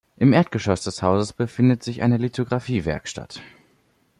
Im Erdgeschoss des Hauses befindet sich eine Lithographie-Werkstatt.